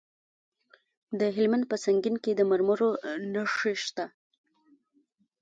د هلمند په سنګین کې د مرمرو نښې شته.